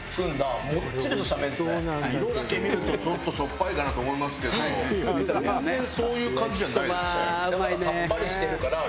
色だけ見るとちょっとしょっぱいかなと思いますけど全然そういう感じじゃないですね。